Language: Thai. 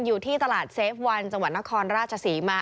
อยู่ที่ตลาดเซฟวันจังหวัดนครราชศรีมา